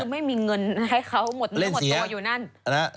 ไม่มีเงินให้เขาหมดเนื้อหมดตัวอยู่นั่น